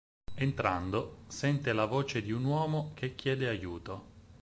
Entrando, sente la voce di un uomo che chiede aiuto.